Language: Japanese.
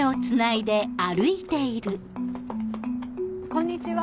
こんにちは。